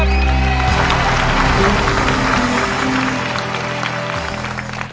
ใช้ค่ะใช้นะครับ